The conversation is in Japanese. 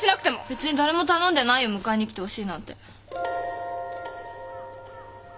別に誰も頼んでないよ迎えに来てほしいなんて。